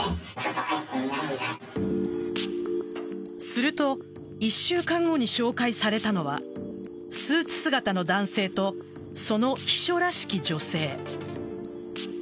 すると１週間後に紹介されたのはスーツ姿の男性とその秘書らしき女性。